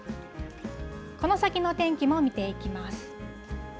この先の天気も見ていきます。